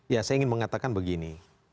ya saya ingin mengatakan begini